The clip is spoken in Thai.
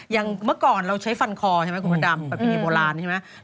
เมื่อก่อนเราใช้ฟันคอใช่ไหมคุณพระดำประเพณีโบราณใช่ไหม